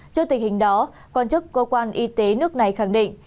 trước tình hình đó quan chức cơ quan y tế nước này khẳng định